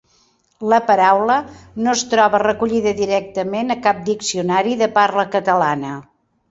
La paraula no es troba recollida directament a cap diccionari de parla catalana.